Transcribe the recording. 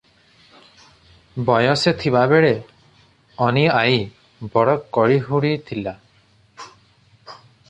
ବୟସ ଥିବାବେଳେ ଅନୀ ଆଈ ବଡ କଳିହୁଡ଼ି ଥିଲା ।